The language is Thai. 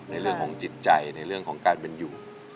ในเรื่องของจิตใจในเรื่องของการเป็นอยู่